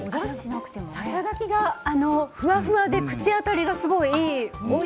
ささがきがふわふわで口当たりがすごくいい。